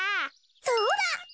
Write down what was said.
そうだ！